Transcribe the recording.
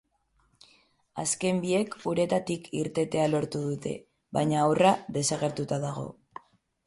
Azken biek uretatik irtetea lortu dute, baina haurra desagertuta dago.